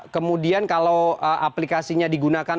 kemudian kalau aplikasinya digunakan